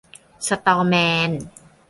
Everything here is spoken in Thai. สะตอแมน